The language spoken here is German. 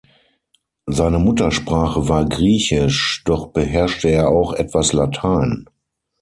Seine Muttersprache war Griechisch, doch beherrschte er auch etwas Latein.